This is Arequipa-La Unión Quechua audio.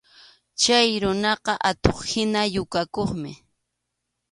Chay runaqa atuq-hina yukakuqmi.